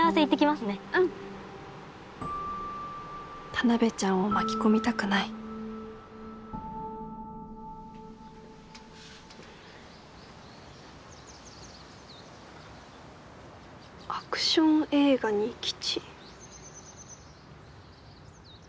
田辺ちゃんを巻き込みたくない「アクション映画に吉！」。